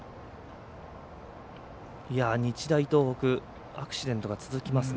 日大東北、アクシデントが続きますね。